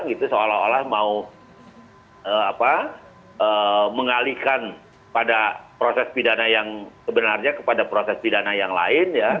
gitu seolah olah mau mengalihkan pada proses pidana yang sebenarnya kepada proses pidana yang lain